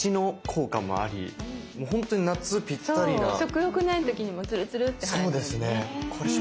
食欲ない時にもツルツルって入るのでね。